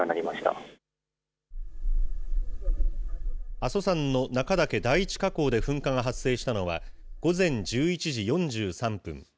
阿蘇山の中岳第一火口で噴火が発生したのは、午前１１時４３分。